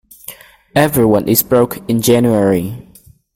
Everyone is broke in January.